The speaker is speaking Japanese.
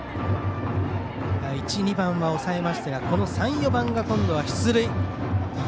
１、２番は抑えましたがこの３、４番が今度は出塁。